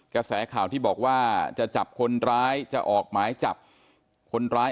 กระแสข่าวที่บอกว่าจะจับคนร้ายจะออกหมายจับคนร้าย